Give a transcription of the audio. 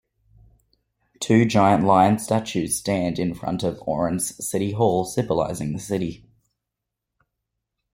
Two giant lion statues stand in front of Oran's city hall, symbolizing the city.